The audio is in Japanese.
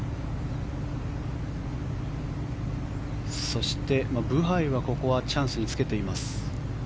そしてブハイはここはチャンスにつけています。